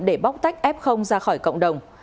để bóc tách f ra khỏi cộng đồng